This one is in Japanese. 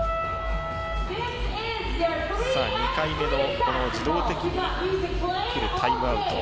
２回目の自動的に来るタイムアウト。